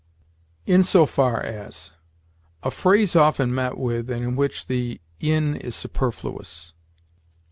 IN SO FAR AS. A phrase often met with, and in which the in is superfluous.